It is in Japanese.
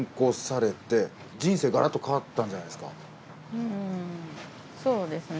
うんそうですね。